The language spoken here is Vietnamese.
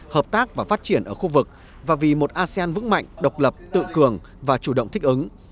hợp tác và phát triển ở khu vực và vì một asean vững mạnh độc lập tự cường và chủ động thích ứng